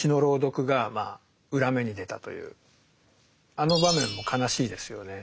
あの場面も悲しいですよね。